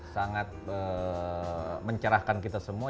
sangat mencerahkan kita semua